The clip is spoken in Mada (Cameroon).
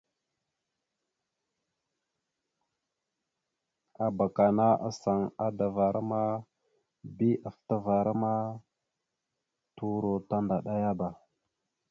Abak ana asaŋ adavara ma bi afətavara ma turo tandaɗayaba.